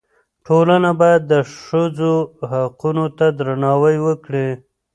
ټولنه باید د ښځو حقونو ته درناوی وکړي.